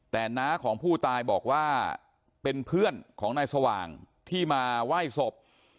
แต่น้าของผู้ตายบอกว่าเป็นเพื่อนของนายสว่างที่มาไหว้ศพ